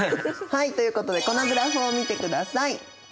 はいということでこのグラフを見て下さい。